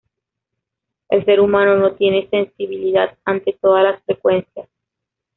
El ser humano no tiene sensibilidad ante todas la frecuencias.